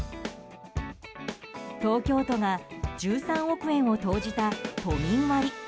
東京都が１３億円を投じた都民割。